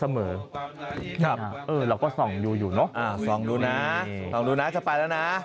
ครับเออเราก็ส่องอยู่เนอะอ่าส่องดูนะส่องดูนะจะไปแล้วนะ